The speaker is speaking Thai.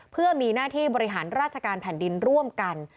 เพื่อมีหน้าที่บริหารราชการแผ่นดินร่วมกัน